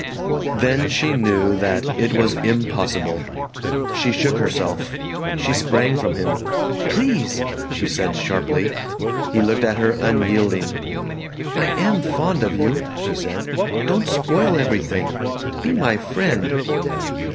Then she knew that it was impossible. She shook herself. She sprang from him. "Please!" she said sharply. He looked at her unyielding. "I am fond of you," she said. "Don't spoil everything. Be my friend."